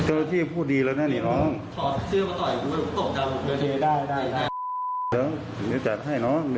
โอ้ยดุอ่ะ